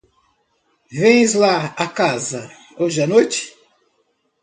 Vens lá a casa hoje à noite?